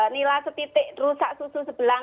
nilai setitik rusak susu sebelang